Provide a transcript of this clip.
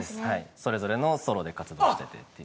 それぞれのソロで活動しててっていう。